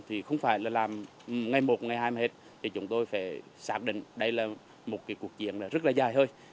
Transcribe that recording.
thì không phải là làm ngày một ngày hai mà hết thì chúng tôi phải xác định đây là một cuộc chiến rất là dài thôi